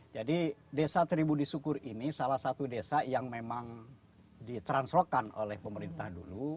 jadi desa tribu disukur ini salah satu desa yang memang ditranslokan oleh pemerintah dulu